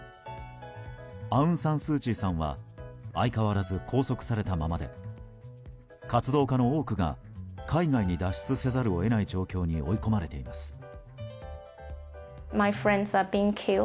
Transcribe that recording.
アウン・サン・スー・チーさんは相変わらず拘束されたままで活動家の多くが海外に脱出せざるを得ない状況に追い込まれています。